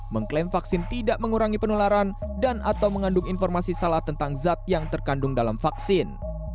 mengklaim vaksin tidak mengurangi penularan dan atau mengandung informasi salah tentang zat yang terkandung dalam vaksin